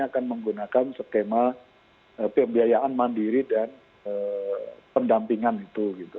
akan menggunakan skema pembiayaan mandiri dan pendampingan itu